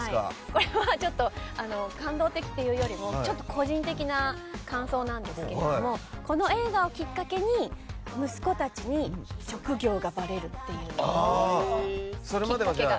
これは感動的というよりも個人的な感想なんですけれどもこの映画をきっかけに息子たちに職業がばれるっていうきっかけが。